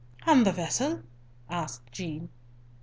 "And the vessel?" asked Jean.